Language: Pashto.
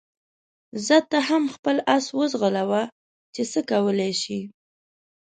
ځه ته هم خپل اس وځغلوه چې څه کولای شې.